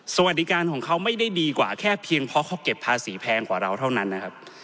สวัสดีการของเขาไม่ได้ดีกว่าแค่เพียงเพราะเขาเก็บภาษีแพงกว่าเราเท่านั้นนะครับ